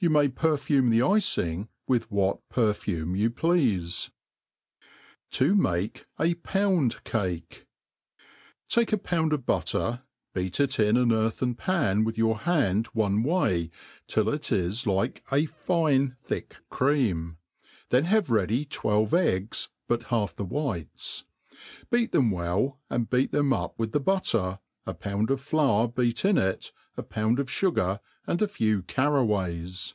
You may perfume the icing with what perfume you pleafe. To make a Pouni Caki. TAKE a pound of butter, beat it in an earthen pan with your hand 6ne way, till it is like a fine thick cream; then nave ready twelve ejggs, but half the whites ; beat them well, and beat them up with the butter, a pound of flour heax in ity a pound of fugar, and a few carraways.